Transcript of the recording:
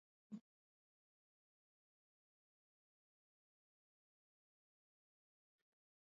Kadhalika inapunguza mwonekano wa anga na huongeza uharibifu